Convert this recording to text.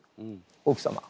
奥様。